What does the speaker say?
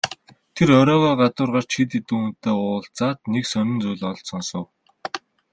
Тэр оройгоо гадуур гарч хэд хэдэн хүнтэй уулзаад нэг сонин зүйл олж сонсов.